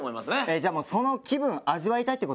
じゃあもうその気分味わいたいって事？